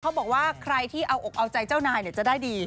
เขาบอกว่าใครที่เอาอกเอาใจเจ้านายจะได้ดี